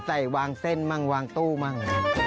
ใส่วางเส้นมั่งวางตู้มั่ง